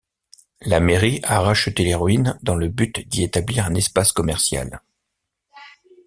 La mairie a racheté les ruines dans le but d'y rétablir un espace commercial.